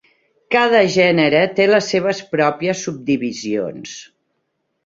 Cada gènere té les seves pròpies subdivisions.